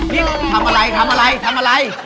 เธอนี่ทำอะไร